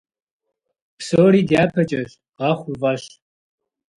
Псори дяпэкӀэщ, гъэхъу уи фӀэщ.